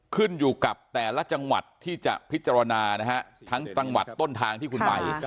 ขึ้นอยู่กับแต่ละจังหวัดที่จะพิจารณานะฮะทั้งจังหวัดต้นทางที่คุณไป